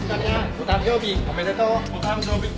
お誕生日おめでとう！